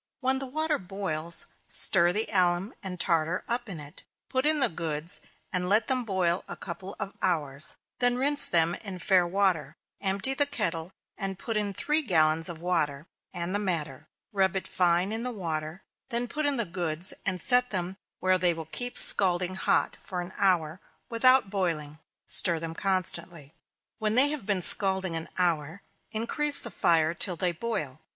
When the water boils, stir the alum and tartar up in it, put in the goods, and let them boil a couple of hours; then rinse them in fair water empty the kettle, and put in three gallons of water, and the madder; rub it fine in the water, then put in the goods, and set them where they will keep scalding hot for an hour, without boiling stir them constantly. When they have been scalding an hour, increase the fire till they boil.